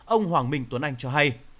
ông hoàng mình tuấn anh cho hay